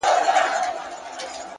نیک اخلاق د انسان اصلي ښکلا ده!.